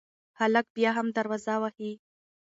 هلک بیا هم دروازه وهي.